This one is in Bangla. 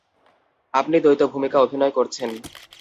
আপনি দ্বৈত ভূমিকা অভিনয় করছেন।